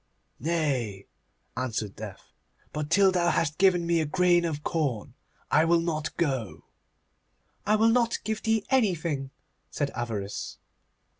'Nay,' answered Death, 'but till thou hast given me a grain of corn I will not go.' 'I will not give thee anything,' said Avarice.